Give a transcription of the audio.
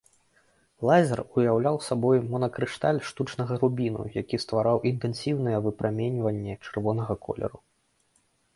Лазер уяўляў сабой монакрышталь штучнага рубіну, які ствараў інтэнсіўнае выпраменьванне чырвонага колеру.